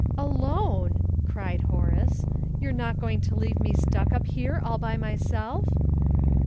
"Alone!" cried Horace. "You're not going to leave me stuck up here all by myself?"